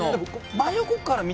真横から見たら。